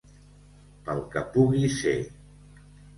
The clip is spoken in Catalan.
Pel que pugui ser.